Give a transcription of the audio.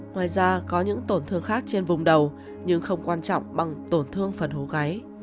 ngoài ra có những tổn thương khác trên vùng đầu nhưng không quan trọng bằng tổn thương phần hố gáy